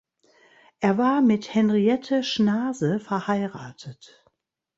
Er war mit Henriette Schnaase verheiratet.